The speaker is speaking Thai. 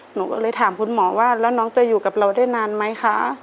หนูก็เลยถามคุณหมอว่าแล้วน้องจะอยู่กับเราได้นานไหมคะ